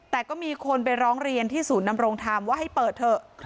แต่ก็มีคนไปร้องเรียนที่ศูนย์นำรงธรรมว่าให้เปิดเถอะ